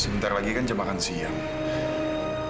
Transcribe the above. sebentar lagi kan jam makan siang